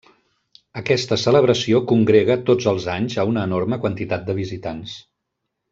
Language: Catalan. Aquesta celebració congrega tots els anys a una enorme quantitat de visitants.